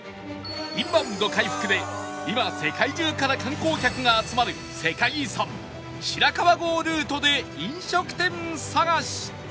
インバウンド回復で今世界中から観光客が集まる世界遺産白川郷ルートで飲食店探し